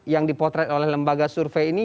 yang dipotret oleh lembaga survei ini